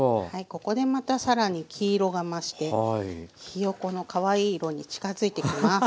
ここでまた更に黄色が増してひよこのかわいい色に近づいてきます。